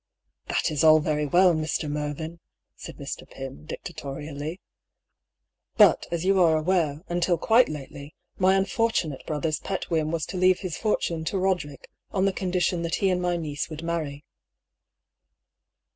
" That is all very well, Mr. Mervyn," said Mr. Pym, dictatorially. " But, as you are aware, until quite lately, my unfortunate brother's pet whim was to leave his for tune to Boderick, on the condition that he and my niece would marry."